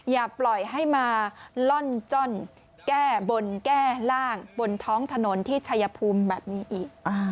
อย่าปล่อยให้มาล่อนจ้อนแก้บนแก้ร่างบนท้องถนนที่ชัยภูมิแบบนี้อีก